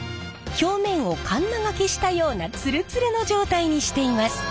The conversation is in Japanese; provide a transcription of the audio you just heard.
表面をかんな掛けしたようなツルツルの状態にしています。